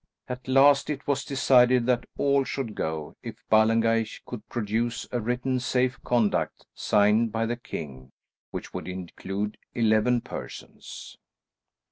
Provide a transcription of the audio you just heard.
At last it was decided that all should go, if Ballengeich could produce a written safe conduct signed by the king, which would include eleven persons.